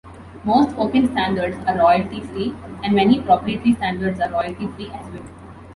Most open standards are royalty-free, and many proprietary standards are royalty-free as well.